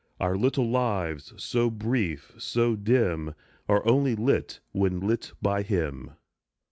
Our little lives, so brief, so dim, Are only lit when lit by him.